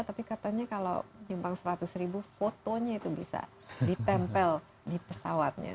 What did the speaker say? tapi katanya kalau nyumbang seratus ribu fotonya itu bisa ditempel di pesawatnya